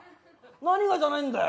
何がじゃないんだよ。